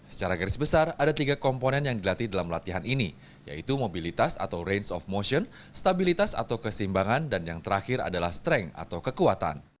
secara garis besar ada tiga komponen yang dilatih dalam latihan ini yaitu mobilitas atau range of motion stabilitas atau kesimbangan dan yang terakhir adalah strength atau kekuatan